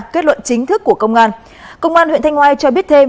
kết luận chính thức của công an công an huyện thanh ngoi cho biết thêm